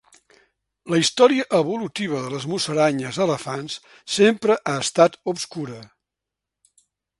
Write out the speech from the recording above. La història evolutiva de les musaranyes elefants sempre ha estat obscura.